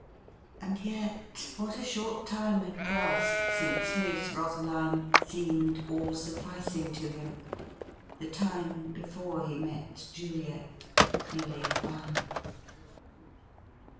And yet what a short time had passed since his Rosaline seemed all sufficing to him !— the time before he met Juliet — Clelia Vine.